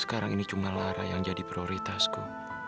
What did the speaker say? sekarang ini cuma lara yang jadi prioritasku